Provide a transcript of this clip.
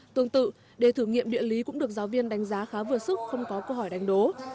tương tự để thử nghiệm địa lý cũng được giáo viên đánh giá khá vượt xúc không có câu hỏi đánh đố